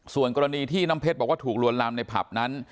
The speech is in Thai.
ส่วนกรณีที่น้ำเพชรบอกว่าถูกลวนลามในผับนั้น